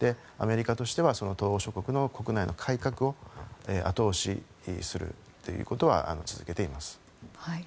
アメリカとしては東欧諸国の国内の改革を後押しするということは続けています。